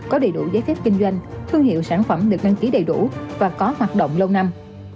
có đầy đủ giấy phép kinh doanh thương hiệu sản phẩm được đăng ký đầy đủ và có hoạt động lâu năm